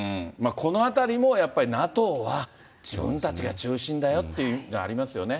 このあたりもやっぱりＮＡＴＯは自分たちが中心だよっていうの、ありますよね。